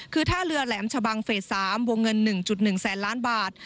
คือท่าเรือแหลมชะบังเฟส๓วงเงิน๑๑แสนล้านบาท